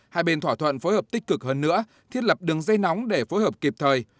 hai bên thỏa thuận phối hợp tích cực hơn nữa thiết lập đường dây nóng để phối hợp kịp thời